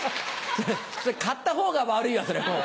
買ったほうが悪いわそれもう。